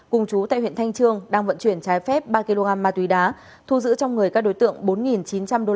cùng chú tại huyện thanh trương đang vận chuyển trái phép ba kg ma túy đá thu giữ trong người các đối tượng bốn chín trăm linh usd